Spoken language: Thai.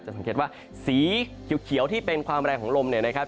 สังเกตว่าสีเขียวที่เป็นความแรงของลมเนี่ยนะครับ